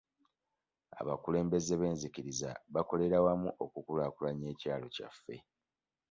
Abakulembeze b'nzikiriza bakolera wamu okukulaakulanya ekyalo kyaffe.